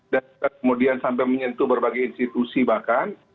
dan kemudian sampai menyentuh berbagai institusi bahkan